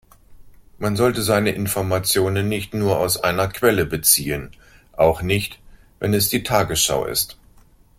Man sollte seine Informationen nicht nur aus einer Quelle beziehen, auch nicht wenn es die Tagesschau ist.